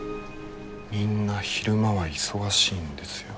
みんな昼間は忙しいんですよ。